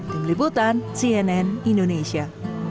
tim liputan cnn indonesia